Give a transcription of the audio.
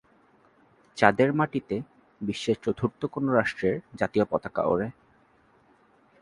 চাঁদের মাটিতে বিশ্বের চতুর্থ কোনো রাষ্ট্রের জাতীয় পতাকা ওড়ে।